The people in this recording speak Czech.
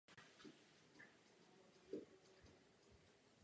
Patří do sítě národních muzeí spravovaných Smithsonian Institution.